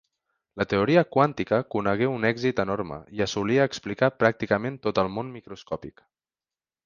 La teoria quàntica conegué un èxit enorme i assolia explicar pràcticament tot el món microscòpic.